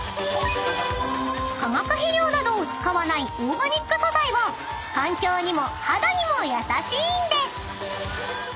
［化学肥料などを使わないオーガニック素材は環境にも肌にも優しいんです］